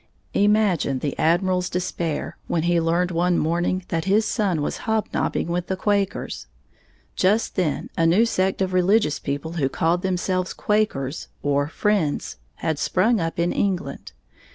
Imagine the Admiral's despair when he learned one morning that his son was hobnobbing with the Quakers! Just then a new sect of religious people who called themselves Quakers, or Friends, had sprung up in England.